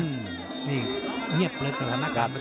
เงียบแล้วทุกน้ำหน้าการ